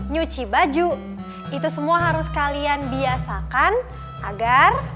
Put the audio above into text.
nyuci baju itu semua harus kalian biasakan agar